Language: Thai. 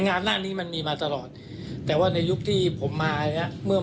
งานด้านนี้มันมีมาตลอดแต่ว่าในยุคที่ผมมาอย่างเงี้ยเมื่อ